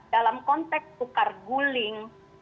dalam konteks tukar guling